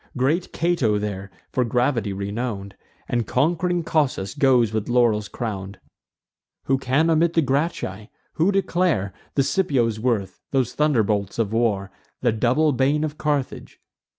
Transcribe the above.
Great Cato there, for gravity renown'd, And conqu'ring Cossus goes with laurels crown'd. Who can omit the Gracchi? who declare The Scipios' worth, those thunderbolts of war, The double bane of Carthage?